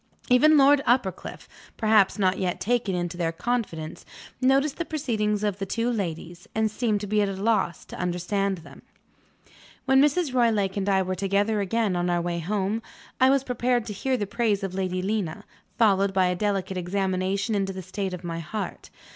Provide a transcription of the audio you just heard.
Even Lord Uppercliff (perhaps not yet taken into their confidence) noticed the proceedings of the two ladies, and seemed to be at a loss to understand them. When Mrs. Roylake and I were together again, on our way home, I was prepared to hear the praise of Lady Lena, followed by a delicate examination into the state of my heart.